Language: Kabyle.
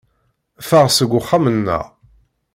Ffeɣ seg uxxam-nneɣ.